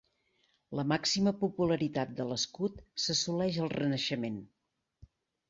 La màxima popularitat de l'escut s'assoleix al renaixement.